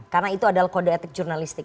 karena itu adalah kode etik jurnalistik